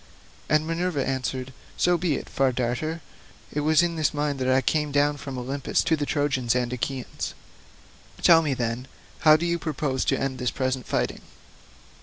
And Minerva answered, "So be it, Far Darter; it was in this mind that I came down from Olympus to the Trojans and Achaeans. Tell me, then, how do you propose to end this present fighting?"